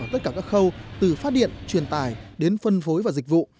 tất cả các khâu từ phát điện truyền tài đến phân phối và dịch vụ